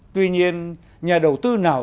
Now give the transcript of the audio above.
tuy nhiên nhà đầu tư nào